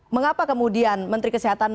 mengapa kemudian menteri kesehatan